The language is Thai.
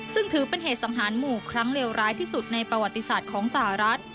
ซึ่งถือเป็นเหตุสังหารหมู่ครั้งเลวร้ายที่สุดในประวัติศาสตร์ของสหรัฐ